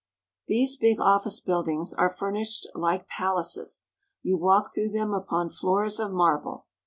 These big office buildings are furnished like palaces. You walk through them upon floors of marble.